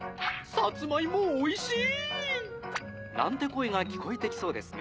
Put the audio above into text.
「サツマイモおいし」なんて声が聞こえてきそうですね。